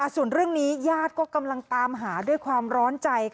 ส่วนเรื่องนี้ญาติก็กำลังตามหาด้วยความร้อนใจ